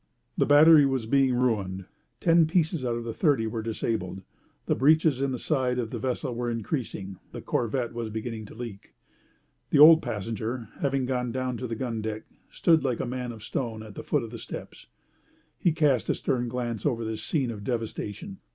The battery was being ruined. Ten pieces out of thirty were disabled; the breaches in the side of the vessel were increasing, and the corvette was beginning to leak. The old passenger, having gone down to the gun deck, stood like a man of stone at the foot of the steps. He cast a stern glance over this scene of devastation.